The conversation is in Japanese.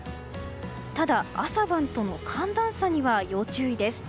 ただ朝晩との寒暖差には要注意です。